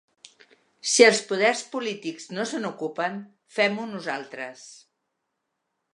Si els poders polítics no se n’ocupen, fem-ho nosaltres.